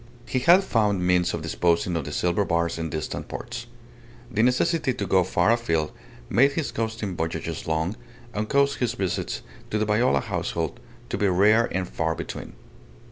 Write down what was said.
He had found means of disposing of the silver bars in distant ports. The necessity to go far afield made his coasting voyages long, and caused his visits to the Viola household to be rare and far between.